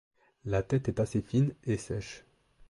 La tête est assez fine et sèche.